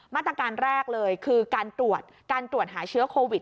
มาตรการแรกเลยคือการตรวจการตรวจหาเชื้อโควิด